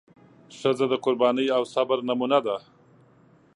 ښځه د قربانۍ او صبر نمونه ده.